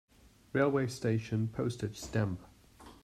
Railway station Postage stamp.